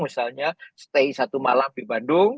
misalnya stay satu malam di bandung